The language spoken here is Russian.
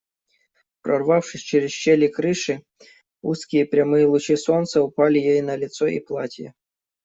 Прорвавшись через щели крыши, узкие прямые лучи солнца упали ей на лицо и платье.